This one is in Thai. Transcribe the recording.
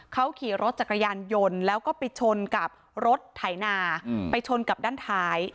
เขาขี่รถจักรยานยนต์แล้วก็ไปชนกับรถไถนาไปชนกับด้านท้าย